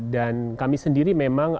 dan kami sendiri memang